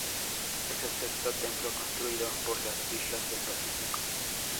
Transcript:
Es el sexto templo construido en las islas del Pacífico.